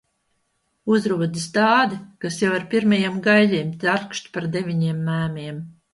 Uzrodas tādi, kas jau ar pirmajiem gaiļiem tarkšķ par deviņiem mēmiem.